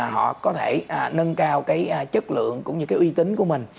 họ có thể nâng cao cái chất lượng cũng như cái uy tín của mình